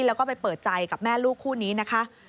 แล้วก็ไปเปิดใจกับแม่ลูกคู่นี้นะคะ